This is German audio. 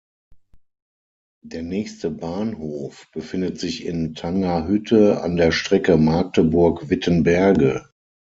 Der nächste Bahnhof befindet sich in Tangerhütte an der Strecke Magdeburg–Wittenberge.